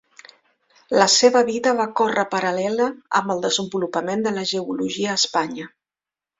La seva vida va córrer paral·lela amb el desenvolupament de la geologia a Espanya.